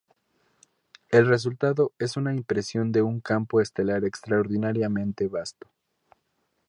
El resultado es una impresión de un campo estelar extraordinariamente vasto.